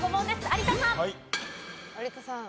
有田さん。